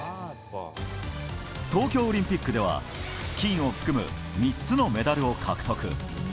東京オリンピックでは金を含む３つのメダルを獲得。